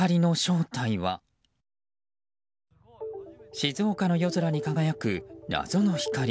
静岡の夜空に輝く謎の光。